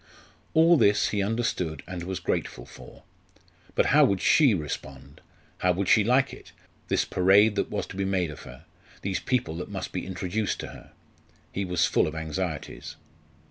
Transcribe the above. All this he understood and was grateful for. But how would she respond? How would she like it this parade that was to be made of her these people that must be introduced to her? He was full of anxieties.